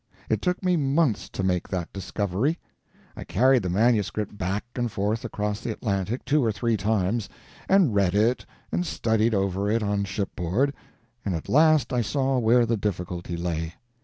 It took me months to make that discovery. I carried the manuscript back and forth across the Atlantic two or three times, and read it and studied over it on shipboard; and at last I saw where the difficulty lay.